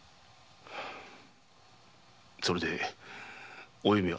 それでお弓は？